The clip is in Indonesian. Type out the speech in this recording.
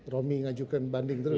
romi ngajukan banding terus